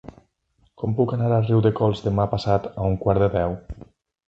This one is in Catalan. Com puc anar a Riudecols demà passat a un quart de deu?